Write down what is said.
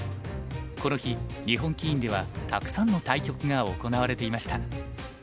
この日日本棋院ではたくさんの対局が行われていました。